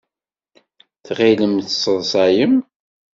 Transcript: Tɣilem tesseḍsayem?